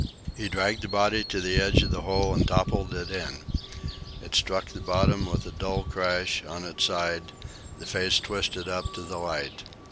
He dragged the body to the edge of the hole and toppled it in. It struck the bottom with a dull crash, on its side, the face twisted up to the light.